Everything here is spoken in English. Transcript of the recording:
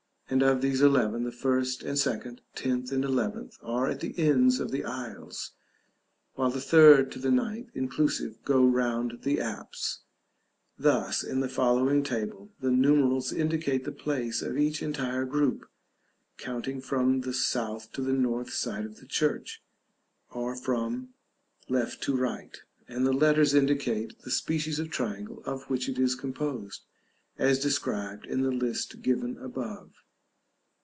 And of these eleven, the first and second, tenth and eleventh, are at the ends of the aisles; while the third to the ninth, inclusive, go round the apse. Thus, in the following table, the numerals indicate the place of each entire group (counting from the south to the north side of the church, or from left to right), and the letters indicate the species of triangle of which it is composed, as described in the list given above.